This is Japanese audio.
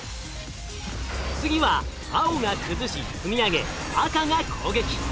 次は青が崩し積み上げ赤が攻撃。